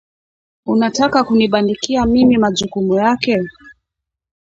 Unataka kunibandikia mimi majukumu yake?